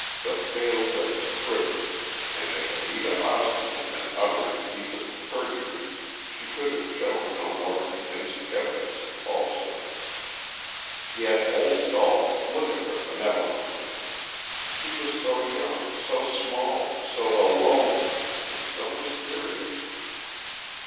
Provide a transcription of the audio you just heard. The pale lips quivered, and if Anita Austin had been uttering deepest perjury she could have shown no more convincing evidence of falsehood. Yet old Salt looked at her benevolently. She was so young, so small, so alone—and so mysterious.